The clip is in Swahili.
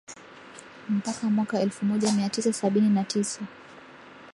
mpaka mwaka elfu moja mia tisa sabini na tisa